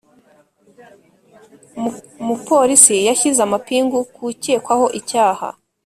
umupolisi yashyize amapingu ku ukekwaho icyaha.